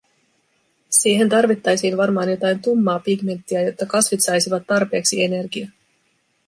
Siihen tarvittaisiin varmaan jotain tummaa pigmenttiä, jotta kasvit saisivat tarpeeksi energiaa.